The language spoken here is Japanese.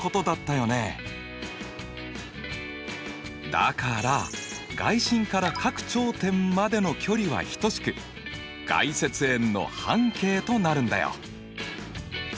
だから外心から各頂点までの距離は等しく外接円の半径となるんだよ。